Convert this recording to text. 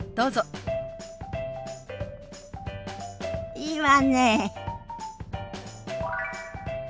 いいわね。